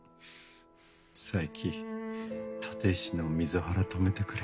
冴木立石の水ハラ止めてくれ。